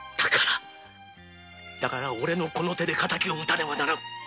だからおれのこの手で敵を討たねばならん。